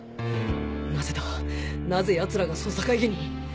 なぜだなぜヤツらが捜査会議に？